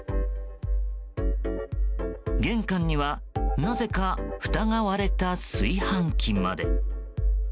玄関にはなぜかふたが割れた炊飯器まで。